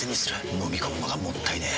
のみ込むのがもったいねえ。